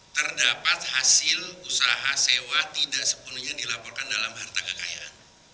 terdapat hasil usaha sewa tidak sepenuhnya dilaporkan dalam harta kekayaan